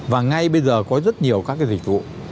và ngay bây giờ có rất nhiều các cái dịch vụ